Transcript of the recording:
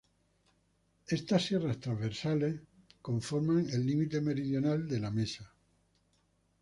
Estas sierras transversales conforman el límite meridional de la Mesa.